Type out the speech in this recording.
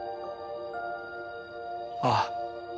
ああ。